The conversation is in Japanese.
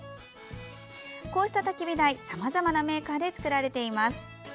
こうした、たき火台さまざまなメーカーで作られています。